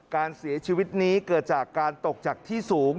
การเสียชีวิตนี้เกิดจากการตกจากที่สูง